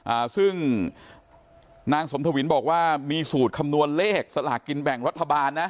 อ่าซึ่งนางสมทวินบอกว่ามีสูตรคำนวณเลขสลากกินแบ่งรัฐบาลนะ